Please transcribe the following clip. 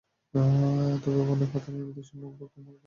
তবে ভবনের পাথরে নির্মিত সম্মুখভাগ ও মূল কাঠামোটি মোটামুটি অক্ষত আছে।